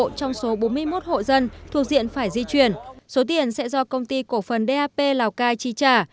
trong số bốn mươi một hộ dân thuộc diện phải di chuyển số tiền sẽ do công ty cổ phần dap lào cai chi trả